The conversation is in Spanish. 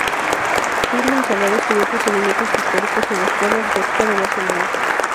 Pep Montserrat estudió Procedimientos Pictóricos en la Escola Llotja de Barcelona.